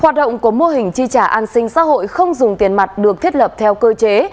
hoạt động của mô hình chi trả an sinh xã hội không dùng tiền mặt được thiết lập theo cơ chế